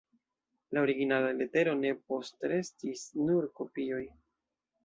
La originala letero ne postrestis, nur kopioj.